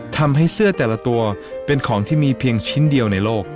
ทำให้เสื้อแต่ละตัวเป็นของที่มีเพียงชิ้นเดียวในโลก